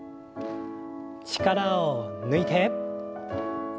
力を抜いて。